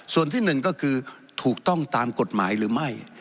ส่วนที่หนึ่งก็คือถูกต้องตามกฎหมายหรือไม่